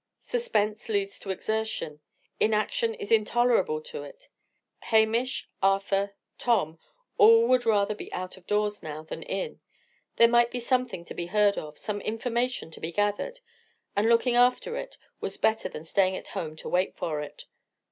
Suspense leads to exertion; inaction is intolerable to it. Hamish, Arthur, Tom, all would rather be out of doors now, than in; there might be something to be heard of, some information to be gathered, and looking after it was better than staying at home to wait for it.